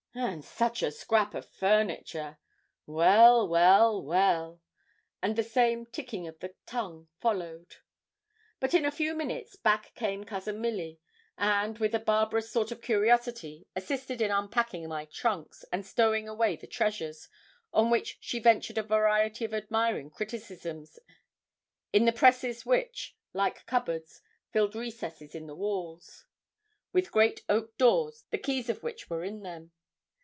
'And such a scrap o' furniture! Well, well, well!' and the same ticking of the tongue followed. But, in a few minutes, back came Cousin Milly, and, with a barbarous sort of curiosity, assisted in unpacking my trunks, and stowing away the treasures, on which she ventured a variety of admiring criticisms, in the presses which, like cupboards, filled recesses in the walls, with great oak doors, the keys of which were in them.